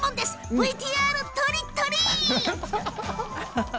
ＶＴＲとりっとり！